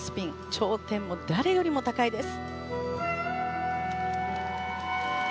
頂点も誰よりも高いです。